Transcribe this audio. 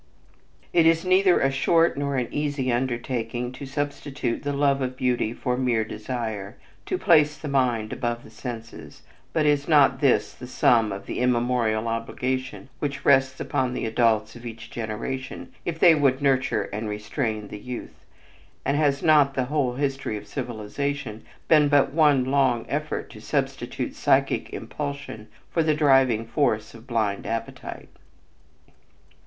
It is neither a short nor an easy undertaking to substitute the love of beauty for mere desire, to place the mind above the senses; but is not this the sum of the immemorial obligation which rests upon the adults of each generation if they would nurture and restrain the youth, and has not the whole history of civilization been but one long effort to substitute psychic impulsion for the driving force of blind appetite?